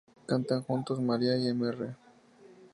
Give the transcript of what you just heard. Cantan juntos María y Mr.